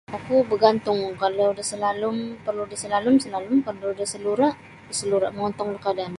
Ogu bagantung kalau da salalum porlu' da salalum salalum porlu da salura' salura' mogontong da kaadaan.